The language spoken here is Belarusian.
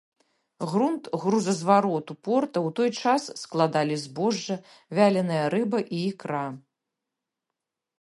Грунт грузазвароту порта ў той час складалі збожжа, вяленая рыба і ікра.